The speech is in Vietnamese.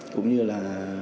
cũng như là